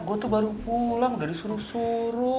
gue tuh baru pulang udah disuruh suruh